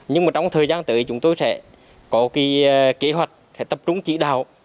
nhưng trong thời gian tới chúng tôi sẽ có kế hoạch tập trung chỉ đạo